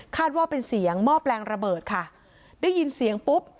ว่าเป็นเสียงหม้อแปลงระเบิดค่ะได้ยินเสียงปุ๊บ